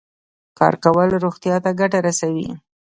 کار کول روغتیا ته ګټه رسوي.